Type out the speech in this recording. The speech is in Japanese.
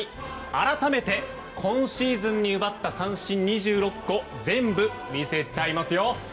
改めて、今シーズンに奪った三振２６個全部見せちゃいますよ！